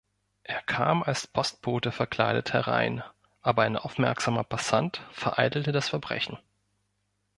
Er kam als Postbote verkleidet herein, aber ein aufmerksamer Passant vereitelte das Verbrechen.